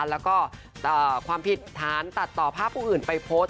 แล้วก็ความผิดฐานตัดต่อภาพผู้อื่นไปโพสต์